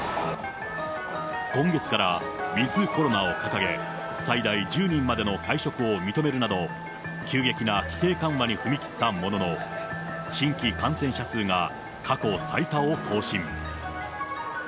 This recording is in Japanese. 今月からウィズコロナを掲げ、最大１０人までの会食を認めるなど、急激な規制緩和に踏み切ったものの、新規感染者数が過去最多を更新。